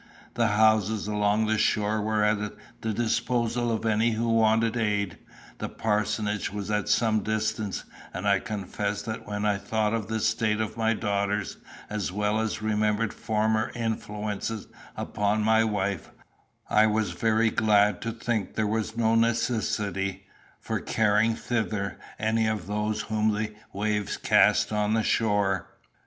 The houses along the shore were at the disposal of any who wanted aid; the Parsonage was at some distance; and I confess that when I thought of the state of my daughters, as well as remembered former influences upon my wife, I was very glad to think there was no necessity for carrying thither any of those whom the waves cast on the shore.